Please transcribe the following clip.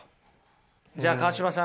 じゃあ川島さん